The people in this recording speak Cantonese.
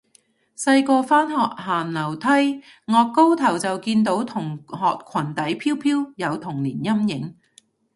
細個返學行樓梯，顎高頭就見到同學裙底飄飄，有童年陰影